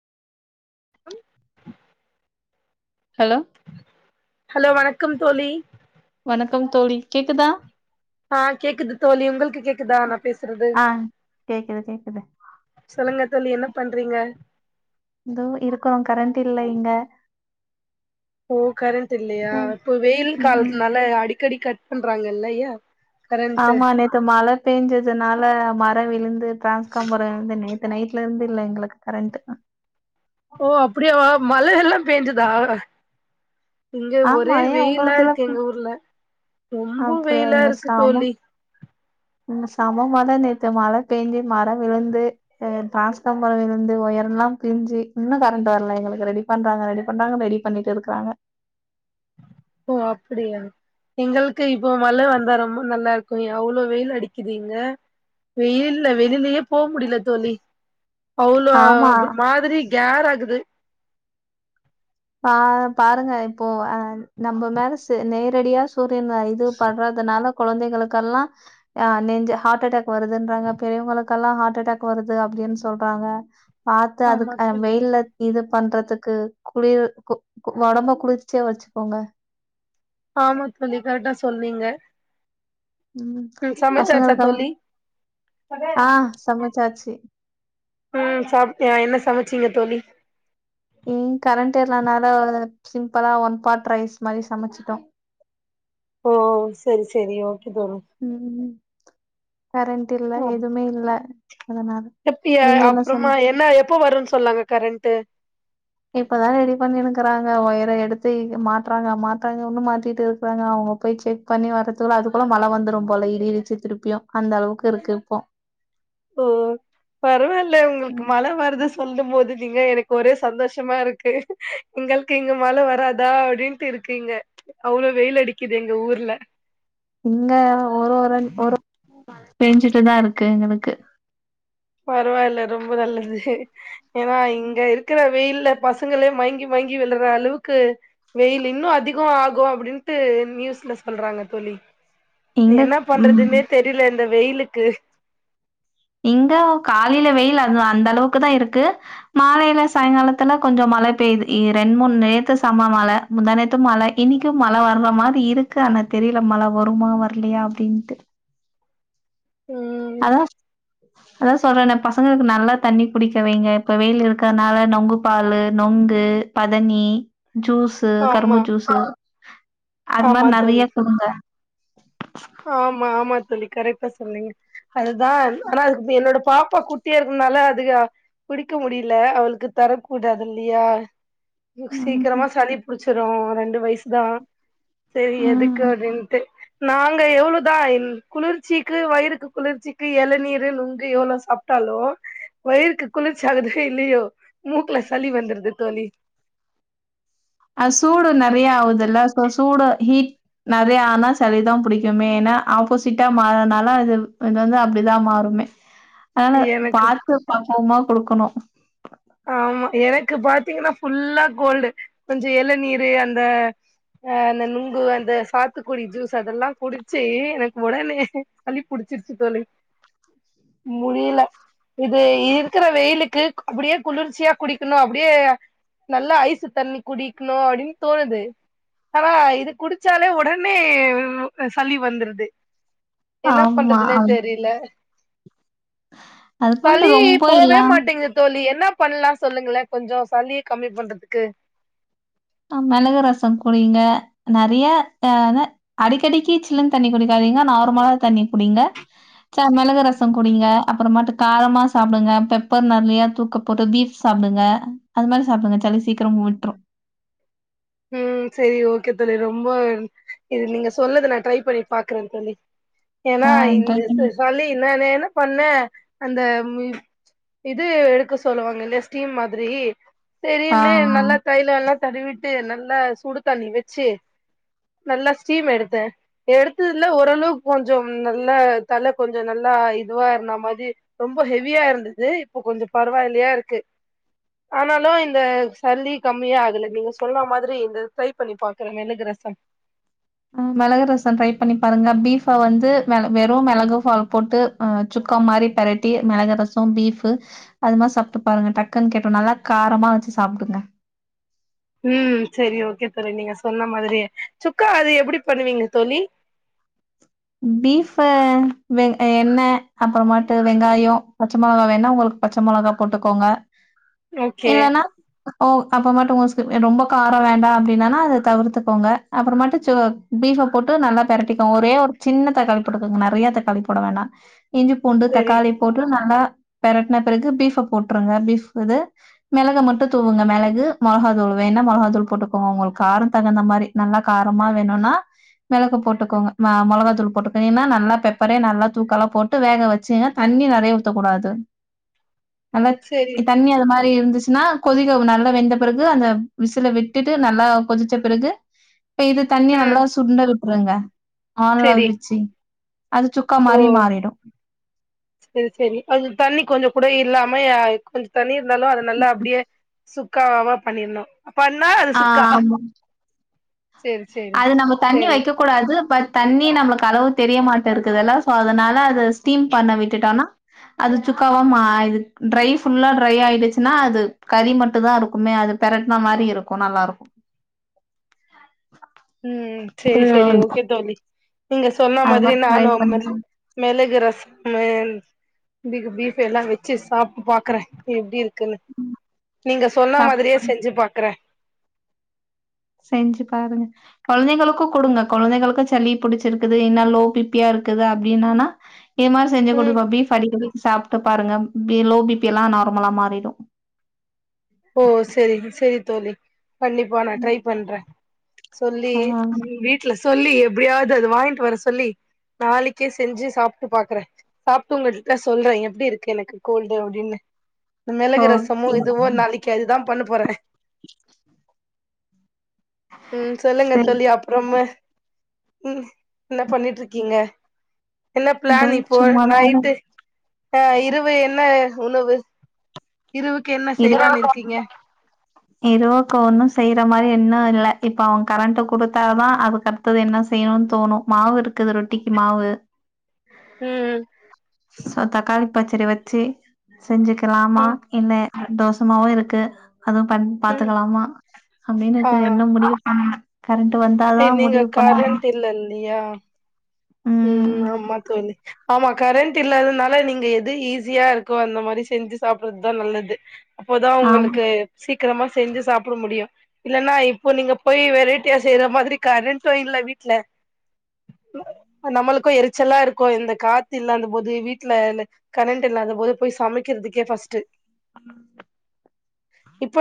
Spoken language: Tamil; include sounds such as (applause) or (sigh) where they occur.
ஹலோ ஹலோ வணக்கம் தோழி வணக்கம் தோழி கேக்குதா ஆ கேக்குது தோழி உங்ளுக்கு கேக்குதா நா பேசுறது ஆ கேக்குது கேக்குது சொல்லுங்கத் தோழி என்ன பண்றீங்க எதோ இருக்றோ கரண்ட் இல்ல இங்க ஓ கரண்ட் இல்லையா ம் இப்ப வெயில் ம் ம் காலத்துனால அடிக்கடி கட் பண்றாங்கல்லயா ஆமா நேத்து மழ பேஞ்சதுனால மர விழுந்து டிரான்ஸ் கம்போ விழுந்து நே நேத்து நைட்ல இருந்து இல்ல எங்ளுக் கரண்ட் ஓ அப்படியாவா மழை எல்லா பேஞ்சுதா இங்க ஒரே ஆமா ஏ வெயிலா இருக்கு எங்க ஊர்ல ரொம்ப வெயிலா அப்பரியங்க இருக்கு சாமா தோழி சம மழ தா நேத்து மழ பேஞ்சு மர விழுந்து ஏ டிரான்ஸ் ஃபார்மர் விழுந்து ஒயர் எல்லா பிரிஞ்சு இன்னு கரண்ட் வர்ல எங்ளுக்கு ரெடி ரெடி பண்றாங்க ரெடி பண்றாங்க ரெடி பண்ணிட்டு இருக்றாங்க ஓ அப்டியா எங்களுக்கு இப்போ மழை வந்தா ரொம்ப நல்லா இருக்கு எவ்ளோ வெயில் அடிக்குதிங்க வெயில்ல வெளிலயே போ முடில தோழி அவ்ளோ ஆமா மாதிரி கேர் ஆகுது பா பாருங்க இப்போ அ நம்ப மேல செ நேரடியா சூரியன் இது படுறதுனால கொழந்தைகளுக்கெல்லா ஆ நெஞ்சு ஹார்ட் அட்டாக் வருதுன்றாங்க பெரியவங்ளுக்கெல்லா ஹார்ட் அட்டாக் வருது அப்டின்னு சொல்றாங்க பாத்து ஆமா அதுக் அ தோழி வெயில இது பண்றதுக்கு குளிர் கு கு ஒடம்ப குளிர்ச்சியா வெச்சுக்கோங்க ஆமாத்தோழி கரெக்டா சொன்னீங்க ம். மி சமச்சாச்சா பசங்களுக்கெல்லாம் தோழி ஆ சமைச்சாச்சு. ம் சாப்ட்டே என்ன சமைச்சீங்க தோழி ம் கரண்ட் இல்லானால சிம்பிளா ஒன் பாட் ரைஸ் மாரி சமைச்சுட்டோ ஓ செரி செரி ஓகே தோழி கரண்ட் இல்ல எதுமே இல்ல அதனால அப்டியா நீங்க என்ன சமை அப்புறமா என்ன எப்ப வருன்னு சொன்னாங்க கரண்ட்டு இப்பதா ரெடி பண்ணிருக்கறாங்க ஒயர எடுத்து இங்க மாட்றாங்க அ மாட்றாங்க உன்னு மாட்டிட்டு இருக்றாங்க அவங்க போயி செக் பண்ணி வர்றதுக்குள்ள அதுக்குள்ள மழை வந்துரு போல இடி இடிச்சு திருப்பியு அந்த அளவுக் இருக் இப்போ ஓ பரவாயில்ல உங்ளுக்கு ம் மழ வருது சொல்லும் போது நீங்க எனக்கு ஒரே சந்தோஷமா இருக்கு எங்ளுக்கு இங்க மழ வராதா அப்டின்ட்டு இருக் குங்க அவ்ளோ வெயில் அடிக்குது எங்க ஊர்ல இங்க ஒரு ஒரு கொடுத் பேஞ்சுட்டுதா இருக்கு எனக்கு பரவால்ல ரொம்ப நல்லது ஏனா இங்க இருக்கிற வெயில்ல பசங்களே மயங்கி மயங்கி விழுற அளவுக்கு வெயிலு இன்னு அதிகோ ஆகு அப்டின்ட்டு நியூஸ்ல சொல்றாங்க தோழி இங்க என்ன ம் பண்றதுனே தெரிய்ல இந்த வெயிலுக்கு இங்க காலைல வெயிலு அது அந்த அளவுக்கு தா இருக்கு மாலைல சாய்ங்காலத்துல கொஞ்ச மழ பேய்து இ ரெண்டு மூண் நேத்து செம்ம மழ முந்தா நேத்து மழ இன்னைக்கு மழ வர்ற மாரி இருக்கு ஆனா தெரியல மழ வருமா வர்லையா அப்டின்ட்டு ம் அதா அதா சொல்றனே பசங்களுக்கு நல்லா தண்ணி குடிக்க வைங்க இப்ப வெயில் இருக்குறதுனால நொங்கு பாலு நொங்கு பதனி ஜூஸ் இது ஆமா கரும்பு ஜூஸு அது ஆமா மாரி நெறைய தோழி குடுங்க ஆமா ஆமா தோழி கரெக்டா சொன்னீங்க அதுதான் ஆனா அதுக்கு இப்ப என்னோட பாப்பா குட்டியா இருக்கனால அதுக குடிக்க முடியில அவளுக்கு தரக் கூடாது இல்லையா இவள்க்கு சீக்கிரமா ம்ஹ்ம். சளி புடிச்சிரு ரெண்டு வயசு தா சைரி எதுக்கு ம். அப்டின்ட்டு நாங் இல்ல எவ்ளோதா இன் குளிர்ச்சிக்கு வயிறுக்கு குளிர்ச்சிக்கு எளநீரு நுங்கு எவ்ளௌ சாப்டாலு வயிறுக்கு குளிர்ச்சி ஆகுதோ இல்லையோ மூக்குல சளி வந்துருது தோழி ஆ சூடு நெறையா ஆவுதுல்ல சோ சூடு ஹிட் நெறையா ஆனா சளிதா புடிக்குமே ஏனா ஆப்போசிட்டா மாறதுனால அது அங்கங்க அப்டிதா மாறுமே அதனா எனக்கு பாத்து பக்குவமா குடுக்கணு ஆமா எனக்கு பாத்தீங்கனா ஃபுல்லா கோல்டு கொஞ்ச எளநீரு அந்த அ அந்த நுங்கு அந்த சாத்துக்குடி ஜூஸ் அதெல்லா குடிச்சி எனக்கு ஒடனே சளிப் புடிச்சிருச்சு தோழி முடியல இது இருக்குற வெயிலுக்கு அப்டியே குளிர்ச்சியா குடிக்கணு அப்டியே நல்லா ஐஸு தண்ணி குடிக்கணு அப்டின் தோணுது ஆனா இது குடிச்சாலே ஒடனே வ் அ சளி வந்துருது என்ன ஆமா. பண்றதுனே அ தெரியல அதுக்குன்ட்டு சளி ரொம்ப இல்ல போவே மாட்டிங்கிது தோழி என்னப் பண்லா சொல்லுங்களே கொஞ்சோ சளிய கம்மி பண்றதுக்கு ஆ மெளகு ரச குடிங்க நெறையா தான அடிக்கடிக்கு சில்லுன் தண்ணி குடிக்காதீங்க நார்மல தண்ணி குடிங்க ச மெளகு ரச குடிங்க அப்பறமாட்டு காரமா சாப்டுங்க பெப்பர் நெறையா தூக்க போட்டு துவி சாப்டுங்க அது மாரி சாப்டுங்க சளி சீக்கிர ஓட்ரு ம் சேரி ஓகே தோழி ரொம்ப இருன் இது நீங்க சொன்னத நா ட்ரை பண்ணி பாக்குறே தோழி ஏனா ஆ ட்ரை இந்த பண்ணி ச சளி இன்னனு ஏனா பண்ண அந்த மிவ் இது எடுக்க சொல்லுவாங்க இல்லையா ஸ்டீம் மாதிரி ஆ சேரின்னு நல்லா தைலோலா தடவிட்டு நல்லா சுடுத்தண்ணி வெச்சு நல்லா ஸ்டீம் எடுத்தே எடுத்ததுல ஓரளவுக்கு கொஞ்சம் நல்லா தல கொஞ்ச நல்லா இதுவா இருந்த மாரி ரொம்ப ஹெவியா இருந்தது இப்ப கொஞ்ச பரவாயில்லையா இருக்கு ஆனாலு இந்த சளி கம்மியா ஆகல நீங்க சொ சொன்ன மாதிரி இந்த ட்ரை பண்ணி பாக்குறே மெளகு ரசம் ம் மிளகு ரசம் ட்ரை பண்ணி பாருங்க பீஃபா வந்து மேல வெறு மிளகு ஃபால் போட்டு அ சுக்கா மாரி பெரட்டி மிளகு ரசம் பீஃபு அது மாரி சாப்டு பாருங்க டக்குன்னு கேட்ரும் நல்லா காரமா வச்சு சாப்பிடுங்க உம் சரி ஓகே தோழி நீங்க சொன்ன மாதிரியே சுக்கா அது எப்படி பண்ணுவீங்க தோழி பீஃப்வு வெ எண்ணெய் அப்புறமட்டு வெங்காயம் பச்சை மொளகா வேனா உங்களுக்கு பச்ச மொளகா போட்டுக்கோங்க (inaudible) இல்லன்னா ஓ அப்புறமட்டும் உங்க ரொம்ப காரம் வேண்டாம் அப்படின்னானா அதை தவிர்த்துகோங்க அப்புறமட்டு சோ பீஃப போட்டு நல்லா பெரட்டிக்கோங்க ஒரே ஒரு சின்ன தக்காளி போட்டுக்குங்க நிறையா தக்காளி போட வேண்டாம் இஞ்சி பூண்டு சரி தக்காளி போட்டு நல்லா பிரட்டின பருகு பீஃப போட்டுருங்க பீஃப் இது மிளக மட்டும் தூவுங்க மிளகு மிளகா தூள் வேணா மிளகா தூள் போட்டுக்கோங்க உங்களுக்கு காரம் தகுந்த மாதிரி நல்லா காரமா வேணும்னா மிளகு போட்டுக்கோங்க ம மொளகா தூ ள் போட்டுகயேன்னா நல்லா பெப்பரே நல்லா தூக்கல்லா போட்டு வேக வச்சுங்கனா தண்ணி நிறைய ஊத்தக் கூடாது சரி (unintelligible) தண்ணி அது மாரி இருந்துச்சுன்னா கொதிக்க நல்லா வெந்த பிறகு அந்த விசுல விட்டுட்டு நல்லா கொதிச்ச பிறகு இப்ப இது தண்ணிய ம் நல்லா சுண்ட விட்டுருங்க சரி ஆன்லவிச்சு அது சு க்கா ஓ மறி மாறிடு சரி சரி அது தண்ணி கொஞ்சம் கூட இல்லாம கொஞ்சம் தண்ணி இருந்தாலும் அது நல்லா அப்டியே சுக்காவாவா பண்ணிடணும் பண்ணா அது ஆ சுக்கா ஆமா சேரி சேரி அது நம்ம தண்ணி சேரி வைக்க கூடாது பட் தண்ணி நம்மளுக்கு அளவு தெரியமாட்டே இருக்குதுல்ல சோ அதனால அத ஸ்டீம் பண்ண விட்டுட்டோன்னா அது சுக்காவா மா இது ட்ரை ஃபுல்லா டிரை ஆயிடுச்சுன்னா அது கறி மட்டும் தான் இருக்குமே அது பிரட்டின மாரி இருக்கும் நல்லா இருக்கும் ம் சரி சரி ம் ஓகே தோழி நீங்க சொன்ன அது மாதிரி மாரி ட்ரை நானும் பண்ணி மிளகு ரசம் ப பீப் எல்லாம் வச்சு சாப்டு பாக்குறேன் எப்டி இரு குன்னு நீங்க சொன்ன சாப் மாதிரியே செஞ்சு பாக்குறேன் செஞ்சு பாருங்க குழந்தைகளுக்கும் கொடுங்க குழந்தைகளுக்கும் சளி புடிச்சிருக்குது என்ன லோ பி பி யா இருக்குது அப்படின்னானா இது மாதிரி செஞ்சு ம் கொடுப்ப பீஃப் அடிக்கடி சாப்டு பாருங்க பி லோ பிபி எல்லாம் நார்மலா மாறிடும் ஓ சரி சரி தோழி கண்டிப்பா நான் ட்ரை பண்றேன் சொல்லி ஆ வீட்டுல சொல்லி எப்படியாவது அது வாங்கிட்டு வர சொல்லி நாளைக்கே செஞ்சு சாப்டு பாக்குறேன் சாப்டு உங்க கிட்ட சொல்றேன் எப்டி இருக்கு எனக்கு கோல்டு அப்டின்னு இந்த மிளகு ரசமு ஓகே இதுவும் நாளைக்கு அதுதான் பண்ண போறேன் ம் சொல்லுங்க சரி தோழி அப்புறமா ஹம் என பண்ணிட்டு இருக்கீங்க என்ன இதோ பிளான் இப்போ சும்மாதா நைட்டு ஆஹ் இரவு என்ன உணவு இருவுக்கு என்ன செய்யலான்னு இருக்கீங்க இருவுக்கு ஒன்னும் செய்றா மாரி இன்னும் இல இப்ப அவன் கரண்ட்டு குடுத்தா தான் அதுக்கு தது என்ன செய்யணும்னு தோணும் மாவு இருக்குது ரொட்டிக்கு மாவு ம் ம் சோ தக்காளி பச்சரி வச்சு செஞ்சுக்கலாமா ம் இல்ல தோசமாவு இருக்கு அதுவு பண் ம் பாத்துக்கலாமா அப்டின் ஆ இருக்கு என்ன முடிவு பண்னு கரண்ட்டு வந்தாதா நீங்க முடிவு பண்ணுனு கரண்ட் இல்ல இல்லையா ம் ஆமா தோழி ஆமா கரண்ட்டு இல்லாதனால நீங்க எது ஈஸியா இருக்கோ அந்த மாரி செஞ்சி சாப்பறதுதா நல்லது அப்போதா ஆமா ஒங்களுக்கு சீக்ரமா செஞ்சி சாப்ட முடியு இல்லன்னா இப்போ நீங்க போய் வெரைட்டியா செய்ற மாரி கரண்ட்டு இல்ல வீட்ல நம்ளுக்கு எரிச்சலா இருக்கு இந்த காத்து இல்லாத போது வீட்ல இந்த கரண்ட்டு இல்லாத போது போய் சமைக்கிறதுக்கே ஃபர்ஸ்ட்டு ம் இப்ப